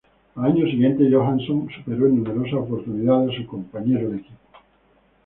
Al año siguiente Johansson superó en numerosas oportunidades a su compañero de equipo.